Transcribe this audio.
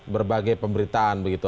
berbagai pemberitaan begitu